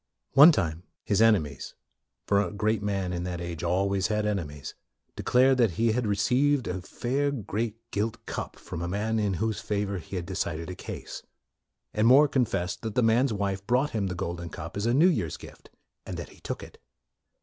One time, his enemies, for a great man in that age always had enemies, declared that he had re ceived a " fair great gilt cup ' from a man in whose favor he had decided a case. And More confessed that the MORE 39 man's wife brought him the golden cup as a New Year's gift, and that he took it.